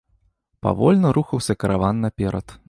Павольна рухаўся караван наперад.